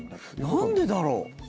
なんでだろう？